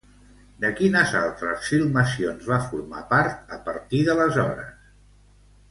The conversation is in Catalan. De quines altres filmacions va formar part, a partir d'aleshores?